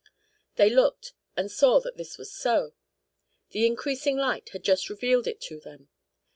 They looked, and saw that this was so. The increasing light had just revealed it to them.